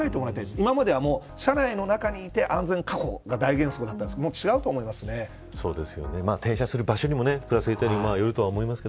今までは車内の中にいて安全確保が大原則だったんですが停車する場所にもよるとは思いますが。